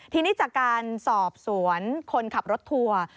ทีนี้จากการสอบสวนคนขับรถทัวร์